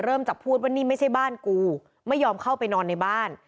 จากพูดว่านี่ไม่ใช่บ้านกูไม่ยอมเข้าไปนอนในบ้าน